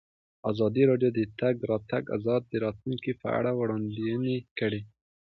ازادي راډیو د د تګ راتګ ازادي د راتلونکې په اړه وړاندوینې کړې.